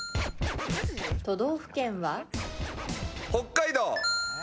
都道府県は？北海道。